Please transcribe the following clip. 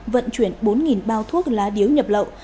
vận chuyển bốn bao thuốc lá điếu nhập lậu